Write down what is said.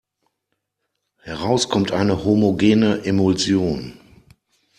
Heraus kommt eine homogene Emulsion.